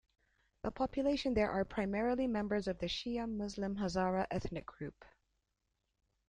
The population there are primarily members of the Shia Muslim Hazara ethnic group.